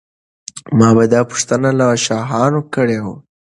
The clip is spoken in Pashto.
ما به دا پوښتنه له شاهانو کړې وي.